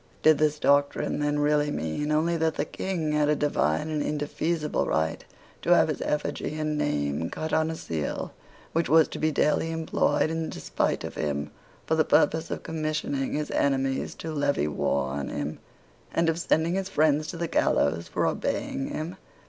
Did this doctrine then really mean only that the King had a divine and indefeasible right to have his effigy and name cut on a seal which was to be daily employed in despite of him for the purpose of commissioning his enemies to levy war on him, and of sending his friends to the gallows for obeying him?